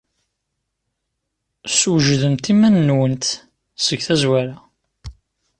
Swejdemt iman-nwent seg tazwara.